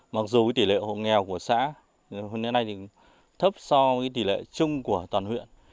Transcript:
mặc dù tỷ lệ hộ nghèo của xã hôm nay thì thấp so với tỷ lệ chung của toàn huyện